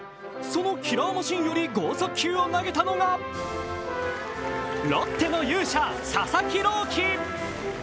そのキラーマシンより剛速球を投げたのが、ロッテの勇者・佐々木朗希。